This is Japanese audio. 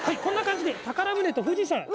こんな感じで宝船と富士山。